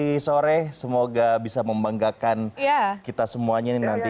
nanti sore semoga bisa membanggakan kita semuanya nih nanti